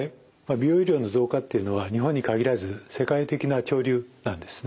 美容医療の増加っていうのは日本に限らず世界的な潮流なんですね。